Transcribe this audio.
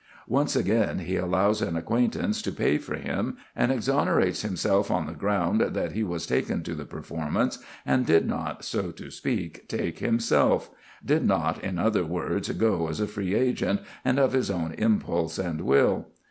Once again, he allows an acquaintance to pay for him, and exonerates himself on the ground that he was taken to the performance, and did not, so to speak, take himself—did not, in other words, go as a free agent, and of his own impulse and will.